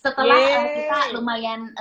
setelah kita lumayan